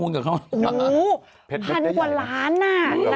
อู๋พันกว่าล้านอ่ะ